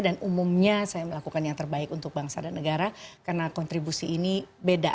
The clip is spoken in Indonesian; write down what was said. dan umumnya saya melakukan yang terbaik untuk bangsa dan negara karena kontribusi ini beda